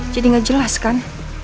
jadi gak jelas kan